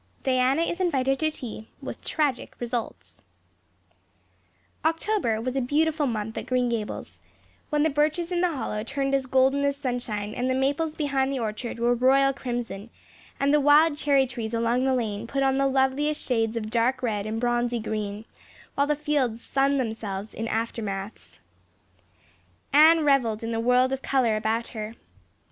Diana Is Invited to Tea with Tragic Results OCTOBER was a beautiful month at Green Gables, when the birches in the hollow turned as golden as sunshine and the maples behind the orchard were royal crimson and the wild cherry trees along the lane put on the loveliest shades of dark red and bronzy green, while the fields sunned themselves in aftermaths. Anne reveled in the world of color about her.